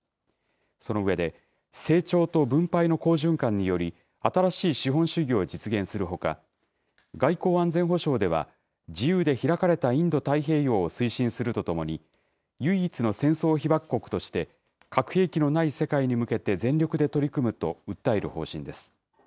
その上で、成長と分配の好循環により、新しい資本主義を実現するほか、外交・安全保障では、自由で開かれたインド太平洋を推進するとともに、唯一の戦争被爆国として核兵器のない世界に向けて全力で取り組むと訴える方針です。